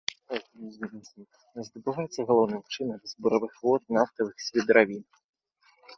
Здабываецца галоўным чынам з буравых вод нафтавых свідравін.